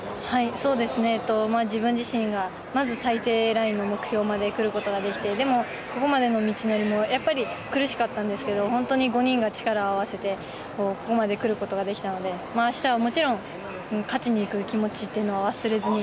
自分自身がまず最低ラインの目標まで来ることができてでもここまでの道のりも苦しかったんですけど、本当に５人が力を合わせてここまで来ることができたので明日はもちろん、勝ちにいく気持ちというのは忘れずに。